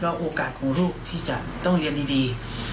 โอกาสของลูกที่จะต้องเรียนดี